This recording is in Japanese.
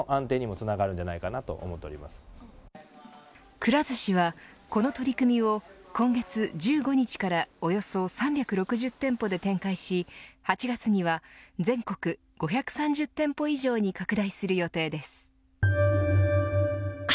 くら寿司は、この取り組みを今月１５日からおよそ３６０店舗で展開し８月には、全国５３０店舗以上に拡大する予定です。